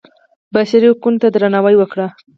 بشري حقونو ته درناوی وکړئ